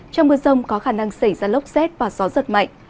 trong mưa rông có khả năng xảy ra lốc xét và gió giật mạnh